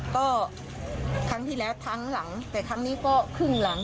ก็ครั้งที่แล้วครั้งหลังแต่ครั้งนี้ก็ครึ่งหลัง